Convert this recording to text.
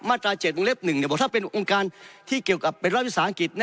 มาตรา๗วงเล็บ๑บอกว่าถ้าเป็นองค์การที่เกี่ยวกับเป็นรัฐวิทยาศาสตร์อังกฤษ